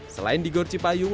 selain di gor cipayung